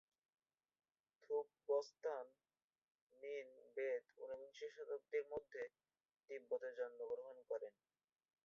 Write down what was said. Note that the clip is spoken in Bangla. থুব-ব্স্তান-ন্যিন-ব্যেদ ঊনবিংশ শতাব্দীর মধ্যভাগে মধ্য তিব্বতের জন্মগ্রহণ করেন।